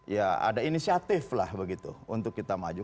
ya ada inisiatif lah begitu untuk kita maju